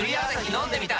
飲んでみた！